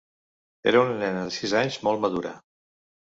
Era una nena de sis anys molt madura.